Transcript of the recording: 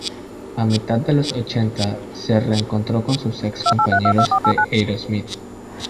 A mitad de los ochenta se reencontró con sus ex compañeros de Aerosmith.